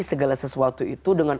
segala sesuatu itu dengan